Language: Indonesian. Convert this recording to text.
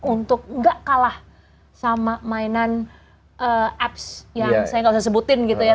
untuk gak kalah sama mainan apps yang saya nggak usah sebutin gitu ya